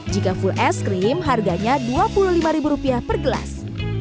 jika full es krim harganya rp dua puluh lima per gelas